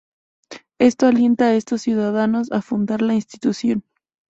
Esto alienta a estos ciudadanos a fundar la institución.